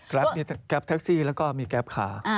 กราฟมีกราฟแท็กซี่แล้วก็มีกราฟคา